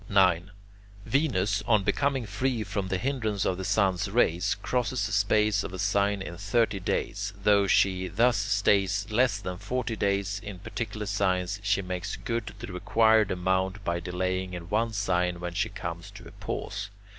9. Venus, on becoming free from the hindrance of the sun's rays, crosses the space of a sign in thirty days. Though she thus stays less than forty days in particular signs, she makes good the required amount by delaying in one sign when she comes to a pause.